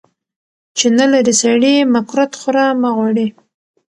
چی نلرې سړي ، مه کورت خوره مه غوړي .